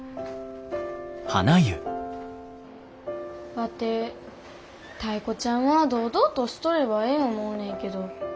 ワテタイ子ちゃんは堂々としとればええ思うねんけど。